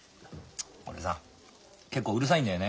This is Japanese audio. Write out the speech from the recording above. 俺さ結構うるさいんだよね